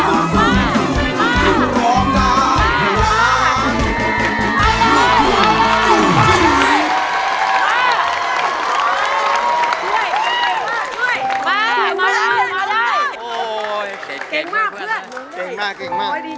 เก่งมากเพื่อน